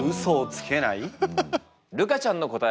ルカちゃんの答え